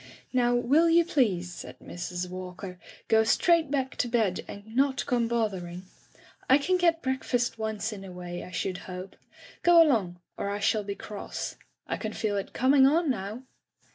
'* "Now, will you please,'* said Mrs. Walker, "go straight back to bed and not come both ering ? I can get breakfast once in a way, I should hope. Go along, or I shall be cross. I can feel it coming on now.'